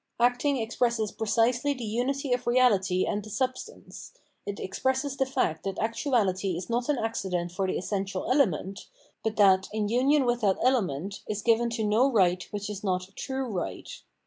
Acting expresses precisely the unity of reality and the substance ; it expresses the fact that actuality is not an accident for the essential element, but that, in union with that element, is given to no right which is not true right.